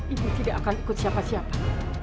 ibu tidak akan ikut siapa siapa